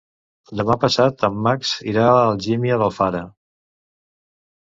Demà passat en Max irà a Algímia d'Alfara.